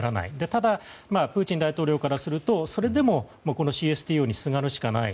ただ、プーチン大統領からするとそれでもこのＣＳＴＯにすがるしかない。